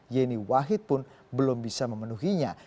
yeni wahid pun belum bisa memenuhinya